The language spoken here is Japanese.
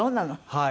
はい。